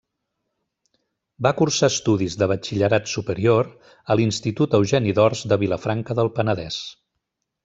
Va cursar estudis de batxillerat superior a l'Institut Eugeni d'Ors de Vilafranca del Penedès.